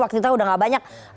waktu kita udah gak banyak